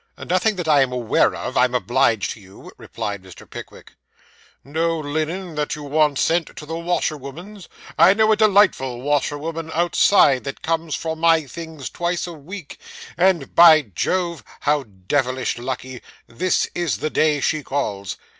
'Nothing that I am aware of, I am obliged to you,' replied Mr. Pickwick. 'No linen that you want sent to the washerwoman's? I know a delightful washerwoman outside, that comes for my things twice a week; and, by Jove! how devilish lucky! this is the day she calls.